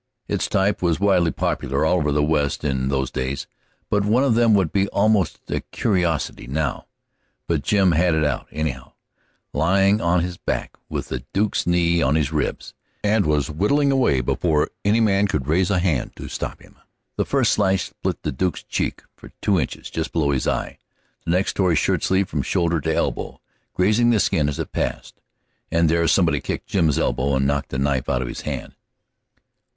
Its type was widely popular all over the West in those days, but one of them would be almost a curiosity now. But Jim had it out, anyhow, lying on his back with the Duke's knee on his ribs, and was whittling away before any man could raise a hand to stop him. The first slash split the Duke's cheek for two inches just below his eye; the next tore his shirt sleeve from shoulder to elbow, grazing the skin as it passed. And there somebody kicked Jim's elbow and knocked the knife out of his hand.